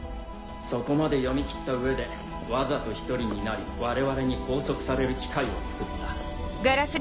そこまで読み切った上でわざと１人になり我々に拘束される機会をつくった。